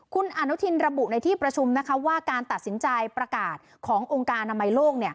คุณอนุทินระบุในที่ประชุมว่าการตัดสินใจประกาศขององค์การอนามัยโลก